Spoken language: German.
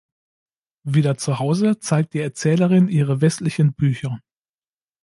Wieder zu Hause zeigt die Erzählerin ihre westlichen Bücher.